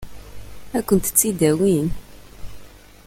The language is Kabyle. Ad kent-tt-id-awin?